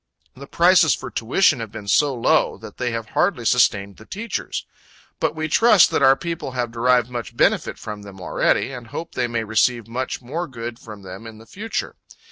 The prices for tuition have been so low, that they have hardly sustained the teachers; but we trust that our people have derived much benefit from them already, and hope they may receive much more good from them in the future.